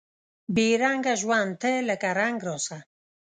بې رنګه ژوند ته لکه رنګ راسه